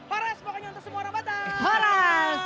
horas pokoknya untuk semua orang batak